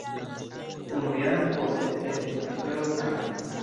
Unu jaron poste, estis ankoraŭ same.